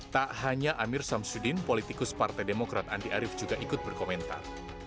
tak hanya amir samsuddin politikus partai demokrat andi arief juga ikut berkomentar